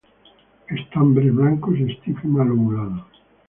Estambres blancos y estigma lobulado.